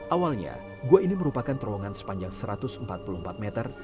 awalnya gua ini merupakan terowongan sepanjang satu ratus empat puluh empat meter